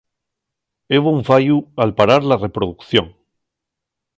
Hebo un fallu al parar la reproducción.